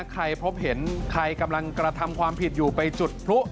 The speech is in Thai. ใครพบเห็นใครกำลังกระทำความผิดอยู่ไปจุดพลุ